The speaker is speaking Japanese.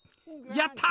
やった！